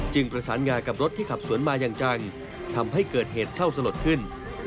ประสานงากับรถที่ขับสวนมาอย่างจังทำให้เกิดเหตุเศร้าสลดขึ้น